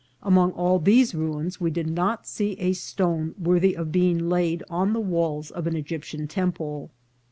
Among all these ruins we did not see a stone worthy of being laid on the walls of an Egyptian temple.